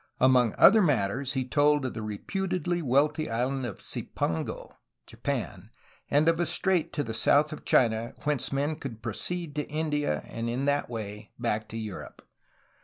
Among other matters he told of the re putedly wealthy island of "Cipango'^ (Japan) and of a strait to the south of China whence men could proceed to India and in that way back to Europe.